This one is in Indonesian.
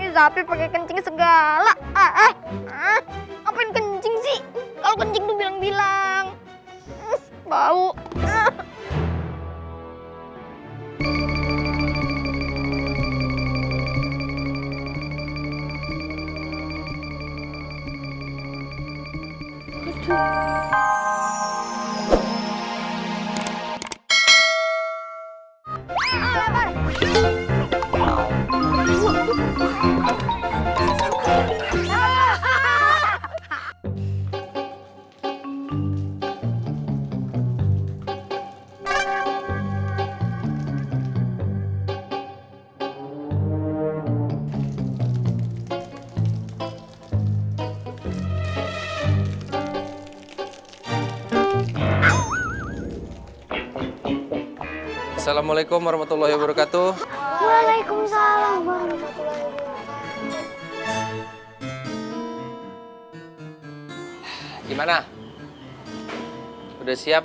sampai jumpa di video selanjutnya